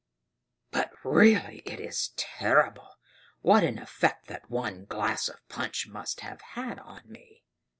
But really it is terrible what an effect that one glass of punch must have had on me!"